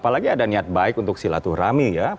jadi ada niat baik untuk silaturahmi ya